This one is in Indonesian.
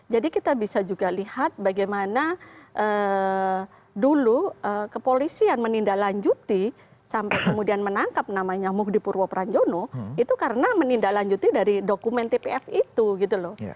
jadi kita bisa juga lihat bagaimana dulu kepolisian menindaklanjuti sampai kemudian menangkap namanya mugdipurwo pranjono itu karena menindaklanjuti dari dokumen tpf itu gitu loh